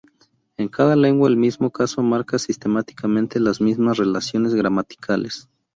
En cada lengua el mismo caso marca sistemáticamente las mismas relaciones gramaticales.